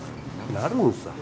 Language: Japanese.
なるんさ。